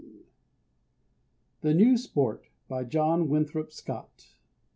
] THE NEW SPORT. JOHN WINTHROP SCOTT.